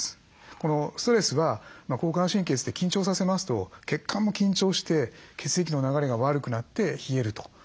このストレスは交感神経といって緊張させますと血管も緊張して血液の流れが悪くなって冷えると。